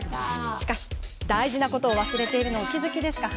しかし、大事なことを忘れているのをお気付きですか？